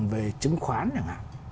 về chứng khoán